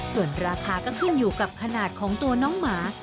ส่วนราคาก็ขึ้นอยู่กับขนาดของตัวน้องหมา